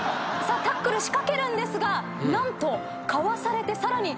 タックルしかけるんですが何とかわされてさらに。